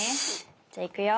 じゃあいくよ。